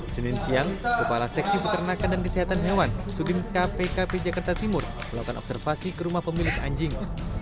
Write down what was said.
senin siang kepala seksi peternakan dan kesehatan hewan sudin kpkp jakarta timur melakukan observasi ke rumah pemilik anjing